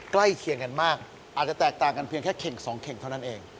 ใกล้เคียงกันมากอาจจะแตกต่างกันเพียงแค่เข่งสองเข่งเท่านั้นเอง